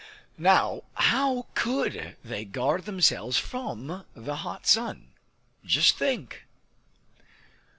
Now, how could they guard themselves from the hot sun? Just think!